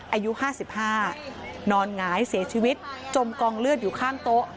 อายุ๕๕นอนหงายเสียชีวิตจมกองเลือดอยู่ข้างโต๊ะ